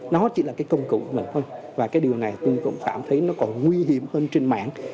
nó chỉ là công cụ của mình thôi và điều này tôi cũng cảm thấy nó còn nguy hiểm hơn trên mạng